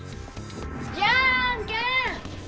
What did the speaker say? じゃあんけんッ！